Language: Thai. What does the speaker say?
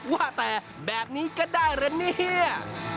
ว่าแต่แบบนี้ก็ได้ละเนี่ย